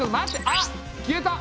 あっ消えた！